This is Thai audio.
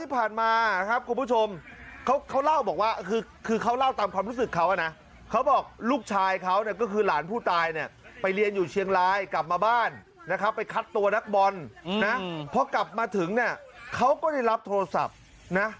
พ่อกลับมาถึงเนี่ยเค้าก็ได้รับโทรศัพท์นะ